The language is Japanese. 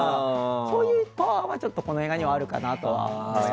そういうパワーもこの映画にはあるかなと思います。